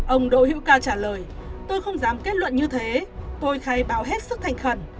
ông đỗ hữu ca trả lời tôi không dám kết luận như thế tôi khai báo hết sức thành khẩn